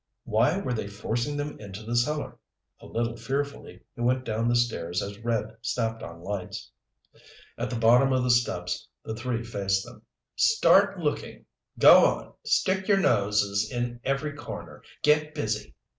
Why were they forcing them into the cellar? A little fearfully, he went down the stairs as Red snapped on lights. At the bottom of the steps, the three faced them. "Start lookin'," Brad commanded. "Go on. Stick your noses in every corner. Get busy!"